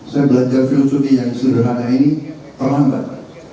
saya belanja filosofi yang sederhana ini terlambat